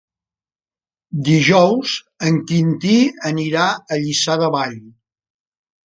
Dijous en Quintí anirà a Lliçà de Vall.